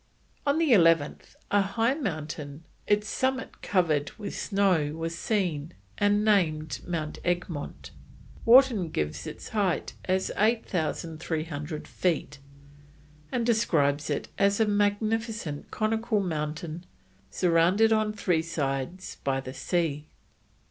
On the 11th, a high mountain, its summit covered with snow, was seen, and named Mount Egmont; Wharton gives its height as 8,300 feet, and describes it as a magnificent conical mountain surrounded on three sides by the sea.